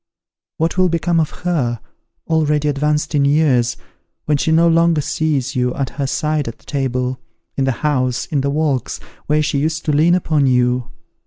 What will become of her, already advanced in years, when she no longer sees you at her side at table, in the house, in the walks, where she used to lean upon you?